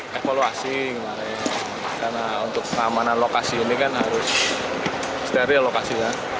ke evaluasi karena untuk keamanan lokasi ini kan harus steril lokasi ya